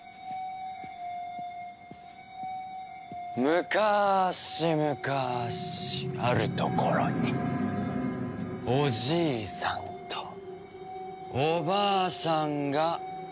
むかーしむかしあるところにおじいさんとおばあさんが住んでいました。